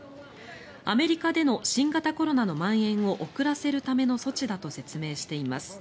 アメリカでの新型コロナのまん延を遅らせるための措置だと説明しています。